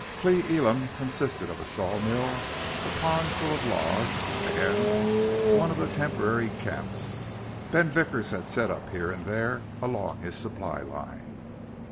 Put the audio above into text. Cle Elum consisted of a sawmill, a pond full of logs, and one of the temporary camps Ben Vickers had set up here and there along his supply line.